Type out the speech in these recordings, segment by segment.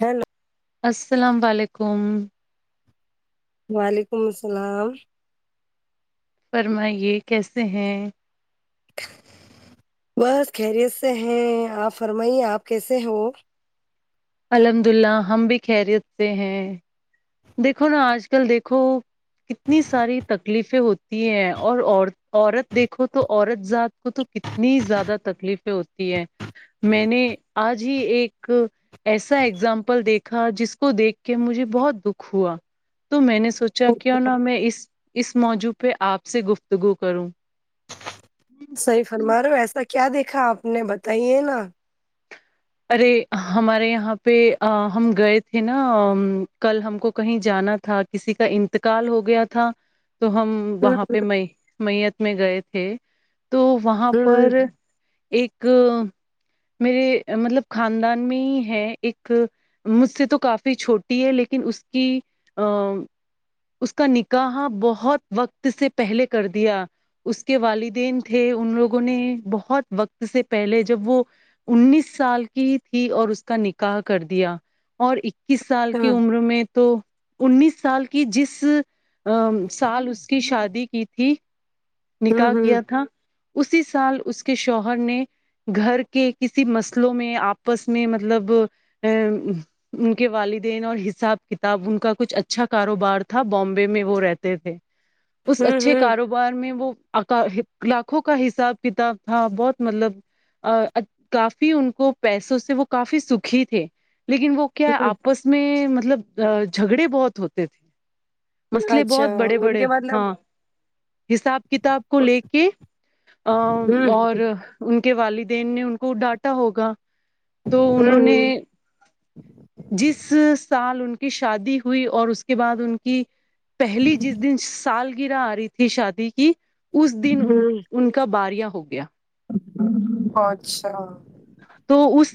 hello السلام وعلیکم وعلیکم السلام فرمائیے کیسے ہیں بس خیریت سے ہیں آپ فرمائیے آپ کیسے ہو الحمد اللہ ہم بھی خیریت سے ہیں دیکھو نا آج کل دیکھو کتنی ساری تکلیفیں ہوتی ہیں اور عورت عورت دیکھو تو عورت ذات کو تو کتنی زیادہ تکلیفیں ہوتی ہیں میں نے آج ہی ایک ایسا اگزامپل دیکھا جس کو دیکھ کے مجھے بہت دکھ ہوا تو میں نے سوچا چ کیوں نہ میں اس اس موضوع پہ آپ سے گفتگو کروں صحیح فرما رہے ہو ایسا کیا دیکھا آپ نے بتائیے نا ارے ہمارے یہاں پہ ا ہم گئے تھے نا کل ہم کو کہیں جانا تھا کسی کا انتقال ہو گیا تھا تو ہم ہوں وہاں پہ میے میت میں گئے تھے تو وہاں ہوں پر ایک میرے مطلب خاندان میں ہی ہے ایک مجھ سے تو کافی چھوٹی ہے لیکن اس کی ا اس کا نکاح بہت وقت سے پہلے کر دیا اس کے والدین تھے ان لوگوں نے بہت وقت سے پہلے جب وہ انیس سال کی ہی تھی اور اس کا نکاح کر دیا اور اکیس سال کی ہاں عمر میں تو انیس سال کی جس ا سال اس کی شادی کی تھی ہوں نکاح ہوں کیا تھا اسی سال اس کے شوہر نے گھر کے کسی مس لوں میں آپس میں مطلب ا ان کے والدین اور حساب کتاب ان کا کچھ اچھا کاروبار تھا بامبے میں وہ رہتے تھے اس ہوں اچھے ہوں کاروبا اخبار میں وہ لاکھوں کا حساب کتاب تھا بہت مطلب کافی ان کو پیسوں سے وہ کافی سکھی تھے لیکن وہ کیا ہوں آپس اس میں مطلب جھگڑے بہت ہوتے تھے مسئلے اچھا بہت بڑے ان بڑے کے مطلب ہاں حساب کتاب کو لے کے ہوں اور ان کے والدین نے ان کو ڈانٹا ہوگا تو انہوں نے ہوں ہوں جس سال ان کی شادی ہوئی اور اس کے بعد ان کی پہلی جس دن سالگرہ آ رہی تھی شادی کی اس دن ان ہوں ان کا باریا ہو گیا اچھا تو اس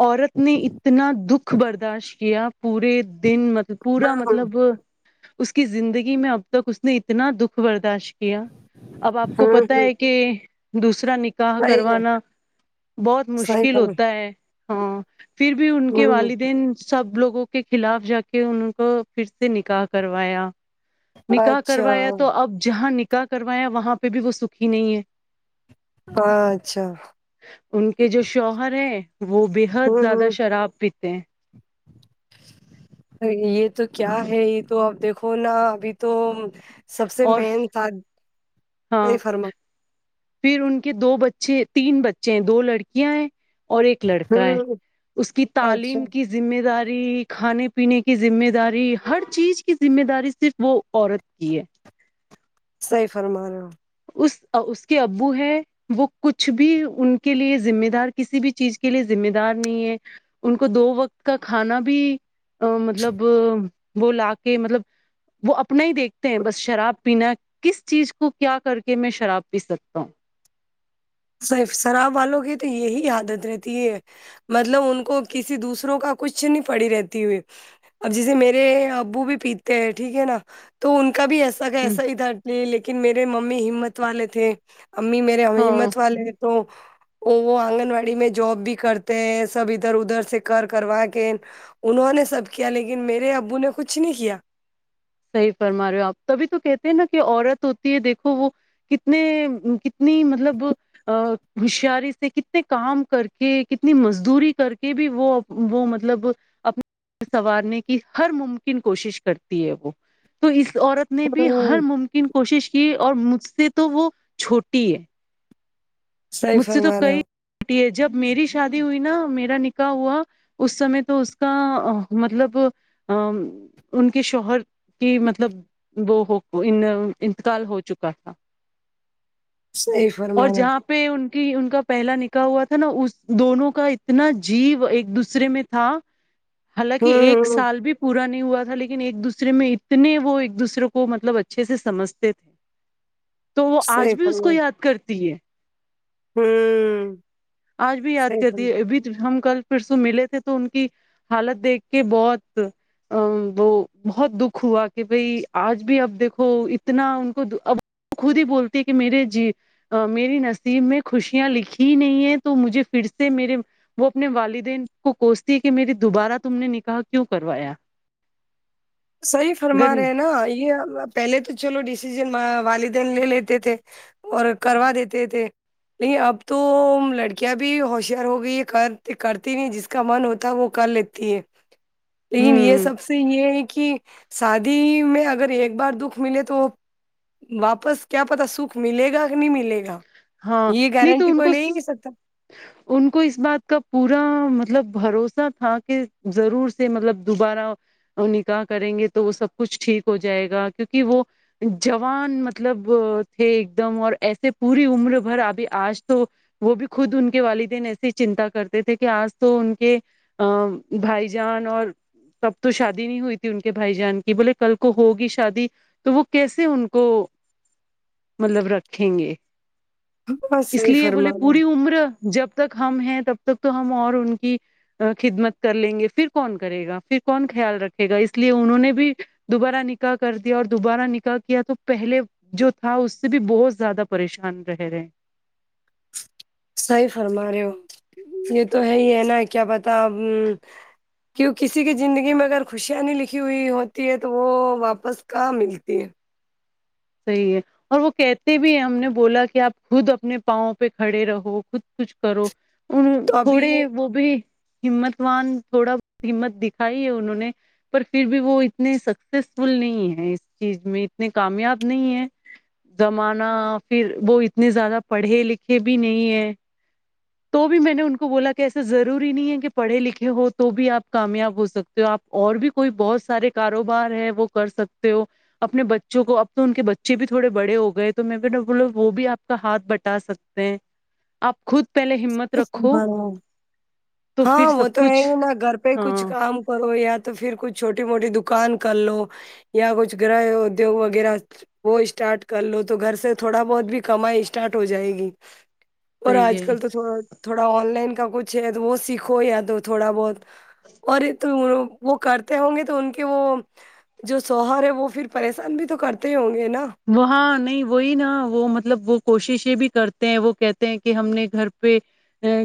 عورت نے اتنا دکھ برداشت کیا پورے دن م ہاں پورا ہاں ہوں مطلب اس کی زندگی میں اب تک اس نے اتنا دکھ برداشت کیا اب آپ کو پتا ہوں ہے کہ دوسرا نکاح صحیح ہے کروانا بہت صحیح مشکل فرما ہوتا ہے ہاں پھر بھی ان کے ہوں ہوں والدین سب لوگوں کے خلاف جا کے ان کو پھر سے نکاح کروایا نکاح اچھا کروایا تو اب جہاں نکاح کروایا وہاں پہ بھی وہ سکھی نہیں ہے اچھا ان کے جو شوہر ہے وہ بےحد ہوں زیادہ ہوں شراب پیتے ہیں [inaudible] یہ تو کیا ہے یہ تو اب دیکھو نا ابھی تو سب سے اور مین تھا ہاں پھر ان کے دو بچے تین بچے ہیں دو لڑکیاں ہیں اور ایک لڑکا ہے ہوں اس کی اچھا تعلیم کی ذمہ داری کھانے پینے کی ذمہ داری ہر چیز کی ذمے داری صرف وہ عورت کی ہے صحیح فرما رہے ہو اس اس کے ابو ہے وہ کچھ بھی ان کے لیے ذمہ دار کسی بھی چیز کے لیے ذمہ دار نہیں ہے ان کو دو وقت کا کھانا بھی ا مطلب وہ لا کے مطلب وہ اپنا ہی دیکھتے ہیں بس شراب پینا کس چیز کو کیا کر کہ میں شراب پی سکتا ہوں صرف شراب والوں کی تو یہی عادت رہتی ہے مطلب ان کو کسی دوسروں کا کچھ نہیں پڑی رہتی ہوئی اب جسے میرے ابو بھی پیتے ہیں ٹھیک ہے نا تو ان کا بھی ایسا س ہ ایسا ہی تھا لیکن میرے ممی ہمت والے تھے امی میرے ہاں ہمت والے تو وہ آنگن واڑی میں جاب بھی کرتے ہیں سب ادھر ادھر سے کر کروا کے انہوں نے سب کیا لیکن میرے ابو نے کچھ نہیں کیا صحیح فرما رہے ہو آپ تبھی تو کہتے ہیں نا کہ عورت ہوتی ہے دیکھو وہ کتنے کتنی مطلب ا ہوشیاری سے کتنے کام کر کے کتنی مزدوری کر کے بھی وہ وہ مطلب اپنے سنوارنے کی ہر ممکن کوشش کرتی ہے وہ تو اس عورت نے بھی ہر ہوں ممکن کوشش کی اور مجھ سے تو وہ چھوٹی ہے صحیح مجھ سے تو فرما رہے کئی ہو چھوٹی ہے جب میری شادی ہوئی نا میرا نکاح ہوا اس سمے تو اس کا مطلب ا ان کے شوہر کی مطلب وہ انتقال ہو چکا تھا [inaudible] اور فرما رہے ہو جہاں پہ ان کی ان کا پہلا نکا ہوا تھا نا اس دونوں کا اتنا جیو ایک دوسرے میں تھا حالانکہ ہوں ایک ہوں سال بھی پورا نہیں ہوا تھا لیکن ایک دوسرے میں اتنے وہ ایک دوسرے کو مطلب اچھے سے سمجھتے تھے تو وہ صحیح آج بھی اس فرما کو یاد کرتی ہے ہوں آج بھی یاد صحیح کرتی فرما ہے اب ہم کل پھر س ملے تھے تو ان کی حالت دیکھ کے بہت ا وہ بہت دکھ ہوا کہ بھائی آج بھی اب دیکھو اتنا ان کو اب وہ خود ہی بولتی ہے کہ میرے جی میری نصیب میں خوشیاں لکھی نہیں ہے تو مجھے پھر سے میرے وہ اپنے والدین کو کوستی ہے کہ میری دوبارہ تم نے نکاح کیوں کروایا صحیح گر فرما رہے ہیں نا یہ پہلے تو چلو ڈیسیزن والدین لے لیتے تھے اور کروا دیتے تھے لیکن اب تو لڑکیاں بھی ہوشیار ہو گئی ہے کرتے کرتے نہیں جس کا من ہوتا ہے وہ کر لی تیھ لیکن یہ ہوں سب سے یہ کہ شادی میں اگر ایک بار دکھ ملے تو واپس کیا پتا سکھ ملے گا کہ نہیں ملے گا ہاں یہ نہیں تو گارنٹی ان کوئی لیں کو گی سب ت ان کو اس بات کا پورا مطلب بھروسہ تھا کہ ضرور سے مطلب دوبارہ نکاح کریں گے تو وہ سب کچھ ٹھیک ہو جائے گا کیونکہ وہ جوان مطلب تھے ایک دم اور ایسے پوری عمر بھر ابھی آج تو وہ بھی خود ان کے والدین ایسے ہی چنتا کرتے تھے کہ آج تو ان کے ا بھائی جان اور تب تو شادی نہیں ہوئی تھی ان کے بھائی جان کی بولے کل کو ہوگی شادی تو وہ کیسے ان کو مطلب رکھیں گے ہاں اس صحیح لیے بولے فرما رہے ہو پوری عمر جب تک ہم ہیں تب تک تو ہم اور ان کی خدمت کر لیں گے پھر کون کرے گا پھر کون خیال رکھے گا اس لیے انہوں نے بھی دوبارہ نکاح کر دیا اور دوبارہ نکاح کیا تو پہلے جو تھا اس سے بھی بہت زیادہ پریشان رہ رہے ہیں صحیح فرما رہے ہو یہ تو ہے ہی ہے نا کیا پتا کیوں کسی کی زندگی میں اگر خوشیاں نی لکھی ہوئی ہوتی ہے تو وہ واپس کہاں ملتی ہے صحیح ہے اور وہ کہتے بھی ہیں ہم نے بولا کہ آپ خود اپنے پاؤں پہ کھڑے رہو خود کچھ کرو ان تو ابھی تھوڑے وہ بھی ہمت وان تھوڑا بہت ہمت دکھائی ہے انہوں نے پر پھر بھی وہ اتنے سکسیسفل نہیں ہے اس چیز میں اتنے کامیاب نہیں ہے زمانہ پھر وہ اتنے زیادہ پڑھے لکھے بھی نہیں ہے تو بھی میں نے ان کو بولا کہ ایسا ضروری نہیں ہے کہ پڑھے لکھے ہو تو بھی آپ کامیاب ہو سکتے ہو آپ اور بھی کوئی بہت سارے کاروبار ہے وہ کر سکتے ہو اپنے بچوں کو تو ان کے بچے بھی تھوڑے بڑے ہو گئے تو میں بھی نہ بولا وہ بھی آپ کا ہاتھ بٹا سکتے ہیں آپ خود پہلے ہمت رکھو تو پھر ہاں وہ سب تو ہے کچھ ہی نا گھر پہ ہی کچھ ہاں کام او ہو یا تو پھر کچھ چھوٹی موٹی دوکان کر لو یا کچھ گرہ ادیوگ وغیرہ وہ اسٹارٹ کر لو تو گھر سے تھوڑا بہت بھی کمائی اسٹارٹ ہو جائے گی اور صحیح آج ہے کل تو تھڑا تھوڑا آن لائن کا کچھ ہے وہ سیکھو یا تو تھوڑا بہت اور تو وہ کرتے ہوں گے تو ان کے وہ جو شوہر ہے وہ پھر پریشان بھی تو کرتے ہونگے نا وہ ہاں نہیں وہی نا وہ مطلب وہ کوششیں بھی کرتے ہیں وہ کہتے ہیں کہ ہم نے گھر پہ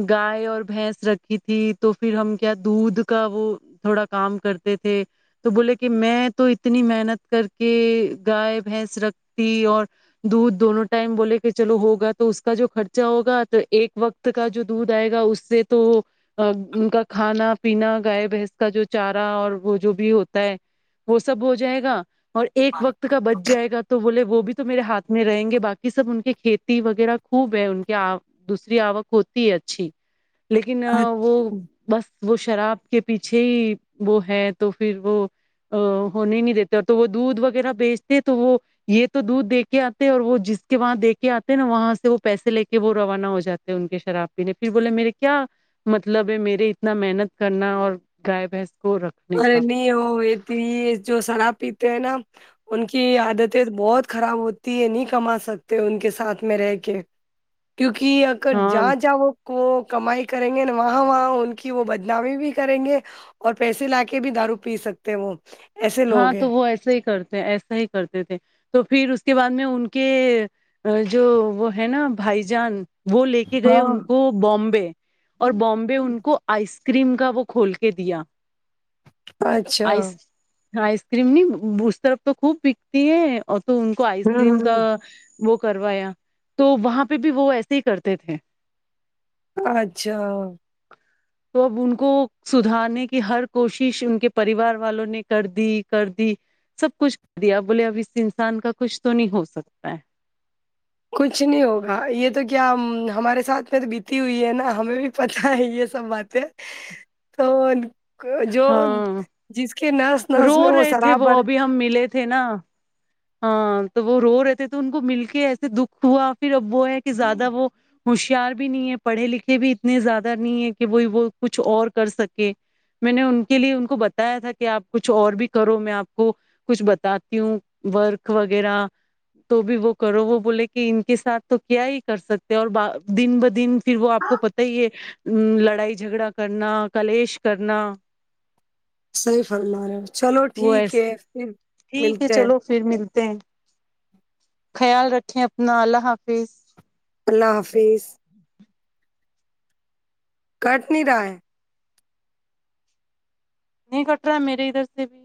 گائے اور بھینس رکھی تھی تو پھر ہم کیا دودھ کا وہ تھوڑا کام کرتے تھے تو بولے کہ میں تو اتنی محنت کر کے گائے بھینس رکھتی اور دودھ دونوں ٹائم بولے کہ چلو ہوگا تو اس کا جو خرچہ ہوگا تو ایک وقت کا جو دودھ آئے گا اس سے تو ان کا کھانا پینا گائے بھینس کا جو چارہ اور وہ جو بھی ہوتا ہے وہ سب ہو جائے گا اور ایک وقت کا بچ جائے گا تو تو بولے وہ بھی تو میرے ہاتھ میں رہیں گے باقی سب ان کے کھیتی وغیرہ خوب ہے ان کے آ دوسری آوک ہوتی ہے اچھی لیکن وہ بس وہ شراب کے پیچھے ہی وہ ہے تو پھر وہ آ ہونے نہیں دیتے اور تو وہ دودھ وغیرہ بیچتے تو وہ یہ تو دودھ دے کے آتے اور وہ جس کے وہاں دے کے آتے ہیں نا وہاں سے وہ پیسے لے کے وہ روانہ ہو جاتے ان کے شراب پینے پھر بولے میرے کیا مطلب ہے میرے اتنا محنت کرنا اور گائے بھینس کو رکھ ارے نہیں ہوتی یہ جو شراب پیتے ہیں نا ان کی عادتیں بہت خراب ہوتی ہے نہیں کما سکتے ان کے ساتھ میں رہ کے کیونکہ اگر ہاں جا جاؤ کو کمائی کریں گے وہاں وہاں ان کی وہ بدنامی بھی کریں گے اور پیسے لا کے کے بھی دارو پی سکتے ہیں وہ ایسے ہاں لوگ ہیں تو وہ ایسا ہی کرتے ہیں ایسا ہی کرتے تھے تو پھر اس کے بعد میں ان کے جو وہ ہے نا بھائی جان وہ لے کے گئے ہاں ان کو بامبے اور بامبے ان کو آئس کریم کا وہ کھول کے دیا اچھا آئس آئس کریم نہیں اس طرف تو خوب بکتی ہے اور تو ان کو آئس کریم کا ہوں وہ کروایا تو وہاں پہ بھی وہ ایسے ہی کرتے تھے اچھا تو اب ان کو سدھارنے کی ہر کوشش ان کے پریوار والوں نے کر دی کر دی سب کچھ کر دیا ا بولے اب اس انسان کا کچھ تو نہیں ہو سکتا ہے کچھ نہیں ہوگا یہ تو کیا ہمارے ساتھ میں تو بیتی ہوئی ہے نا ہمیں بھی پتاہ ہے یہ سب بات ڈے تو جو ہاں جس کے نس نس رو میں وہ رہے تھے شرابر ابھی ہم ملے تھے نا ہاں تو وہ رو رہے تھے تو ان کو مل کے ایسے دکھ ہوا پھر اب وہ ہے کہ زیادہ وہ ہوشیار بھی نہیں ہے پڑھے لکھے بھی اتنے زیادہ نہیں ہے کہ وہ وہ کچھ اور کر سکے میں نے ان کے لیے ان کو بتایا تھا کہ آپ کچھ اور بھی کرو میں آپ کو کچھ بتاتی ہوں ورک وغیرہ تو بھی وہ کرو وہ بو لے کہ ان کے ساتھ تو کیا ہی کر سکتے اور بہ دن بہ دن پھر وہ آپ کو پتہ ہی ہے لڑائی جھگڑا کرنا کلیش کرنا صحیح فرمایا چلو وہ ٹھیک ایسے ہے پھر ٹھیک ہے ملتے ہیں چلو پھر ملتے ہیں خیال رکھیں اپنا اللہ حافظ اللہ حافظ کٹ نہیں رہا ہے نہیں کٹ رہا میرے ادھر سے بھی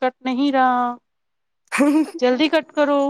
کٹ نہیں رہا [unintelligible] جلدی کٹ کرو